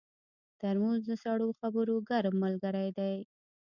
ترموز د سړو خبرو ګرم ملګری دی.